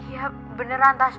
iya beneran tas